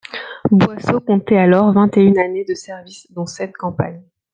Boisseau comptait alors vingt et une années de services, dont sept campagnes.